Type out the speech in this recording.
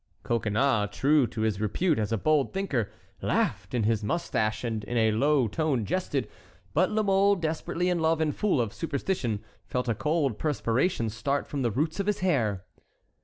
Coconnas, true to his repute as a bold thinker, laughed in his mustache, and in a low tone jested; but La Mole, desperately in love and full of superstition, felt a cold perspiration start from the roots of his hair.